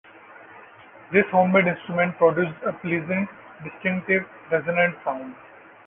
This homemade instrument produced a pleasant, distinctive, resonant sound.